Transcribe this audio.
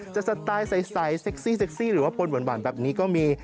สไตล์ใสเซ็กซี่เซ็กซี่หรือว่าปนหวานแบบนี้ก็มี